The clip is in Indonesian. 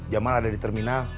jamal ada di terminal